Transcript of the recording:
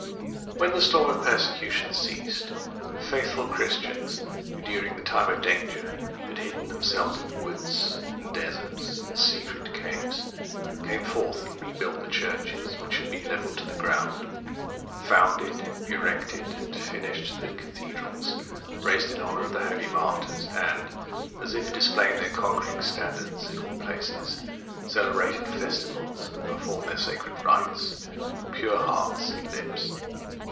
When the storm of persecution ceased, the faithful Christians, who, during the time of danger, had hidden themselves in woods and deserts and secret caves, came forth and rebuilt the churches which had been levelled to the ground; founded, erected, and finished the cathedrals raised in honour of the holy martyrs, and, as if displaying their conquering standards in all places, celebrated festivals and performed their sacred rites with pure hearts and lips.